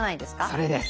それです。